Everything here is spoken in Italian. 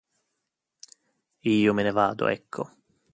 Io me ne vado, ecco.